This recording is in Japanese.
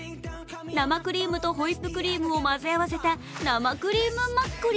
生クリームとホイップクリームを混ぜ合わせた生クリームマッコリ。